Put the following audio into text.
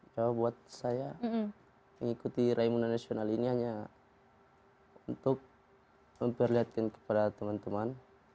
jawab buat saya mengikuti raimunan nasional ini hanya untuk memperlihatkan kepada teman teman